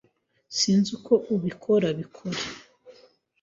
Sinzi uko ubikora. Bikore.